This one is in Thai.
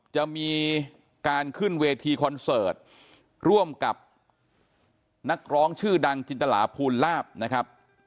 จะมีการขึ้นเวทีคอนเสิร์ตร่วมกับนักร้องชื่อดังจินตลาภูลลาบนะครับ